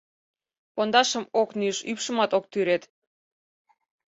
Пондашым ок нӱж, ӱпшымат ок тӱред.